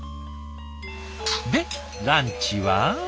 でランチは？